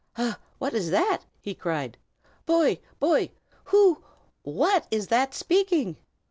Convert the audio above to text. "Ah! what is that?" he cried. "Boy! boy! who what is that speaking?"